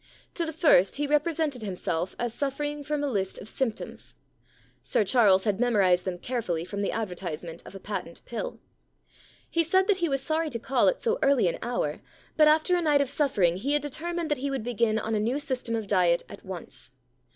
To the first he represented himself as suffering from a list of symptoms. Sir Charles had memorised them carefully from the advertise ment of a patent pill. He said that he was sorry to call at so early an hour, but after a night of suffering he had determined that he 53 The Problem Club would begin on a new system of diet at once.